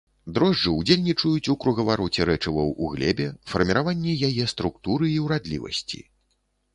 Дрожджы ўдзельнічаюць у кругавароце рэчываў у глебе, фарміраванні яе структуры і ўрадлівасці.